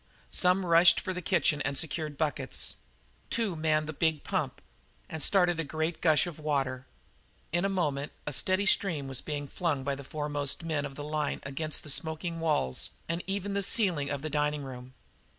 Some rushed for the kitchen and secured buckets; two manned the big pump and started a great gush of water; in a moment a steady stream was being flung by the foremost men of the line against the smoking walls and even the ceiling of the dining room.